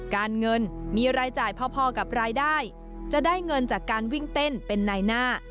การเงินมีรายจ่ายพอกับรายได้จะได้เงินจากการวิ่งเต้นเป็นนายหน้า